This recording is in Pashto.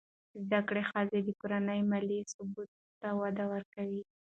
زده کړه ښځه د کورنۍ مالي ثبات ته وده ورکوي.